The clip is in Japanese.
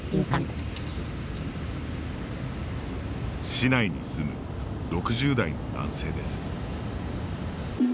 市内に住む６０代の男性です。